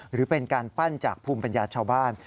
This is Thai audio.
หรือเป็นการปั้นจากภูมิปัญญาชาวบ้าน